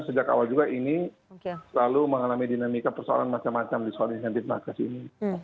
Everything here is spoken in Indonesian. sejak awal juga ini selalu mengalami dinamika persoalan macam macam di soal insentif nakes ini